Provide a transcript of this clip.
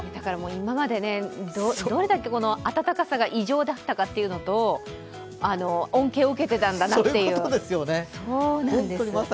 今までどれだけ暖かさが異常だったかというのと恩恵を受けていたんだなという。